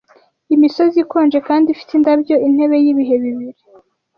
Imisozi ikonje kandi ifite indabyo intebe yibihe bibiri